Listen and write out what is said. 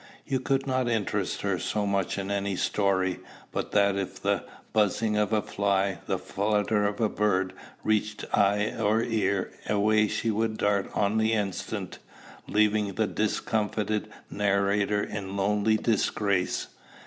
You could not interest her so much in any story, but that if the buzzing of a fly, the flutter of a bird, reached eye or ear, away she would dart on the instant, leaving the discomfited narrator in lonely disgrace.